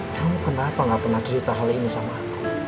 kamu kenapa gak pernah cerita hal ini sama aku